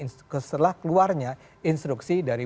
setelah keluarnya instruksi dari